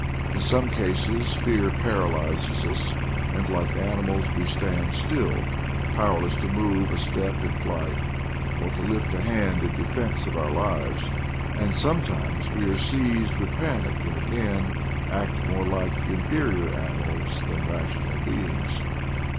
In some cases fear paralyzes us, and, like animals, we stand still, powerless to move a step in flight, or to lift a hand in defense of our lives; and sometimes we are seized with panic, and, again, act more like the inferior ani mals than rational beings.